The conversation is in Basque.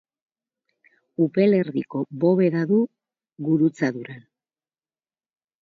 Upel erdiko bobeda du gurutzaduran.